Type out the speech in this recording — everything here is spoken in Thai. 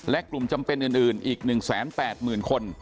และกลุ่มจำเป็นอื่นอีก๑๘๐๐๐คน